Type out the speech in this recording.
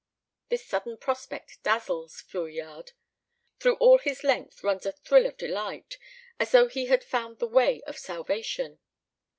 This sudden prospect dazzles Fouillade. Through all his length runs a thrill of delight, as though he had found the way of salvation.